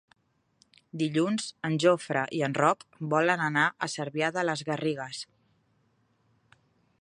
Dilluns en Jofre i en Roc volen anar a Cervià de les Garrigues.